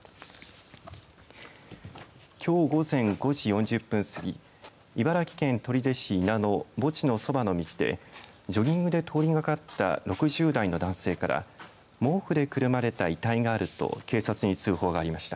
きょう午前５時４０分過ぎ茨城県取手市稲の墓地のそばの道でジョギングで通りがかった６０代の男性から毛布でくるまれた遺体があると警察に通報がありました。